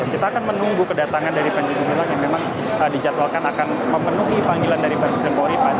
kita akan menunggu kedatangan dari panji gumilang yang memang dijadwalkan akan memenuhi panggilan dari baris krimpori